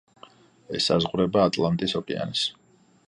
ესაზღვრება ატლანტის ოკეანეს.